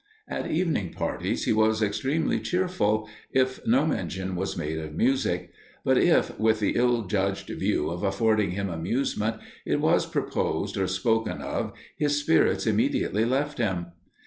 At evening parties he was extremely cheerful, if no mention was made of music; but if, with the ill judged view of affording him amusement, it was proposed or spoken of, his spirits immediately left him.